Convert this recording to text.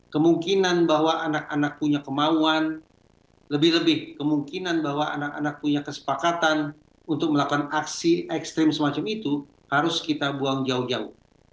kemungkinan bahwa anak anak punya kemauan lebih lebih kemungkinan bahwa anak anak punya kesepakatan untuk melakukan aksi ekstrim semacam itu harus kita buang jauh jauh